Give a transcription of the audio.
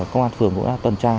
công an phường cũng đã tuần tra